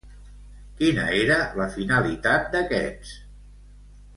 Quina era la finalitat d'aquests?